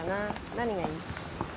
何がいい？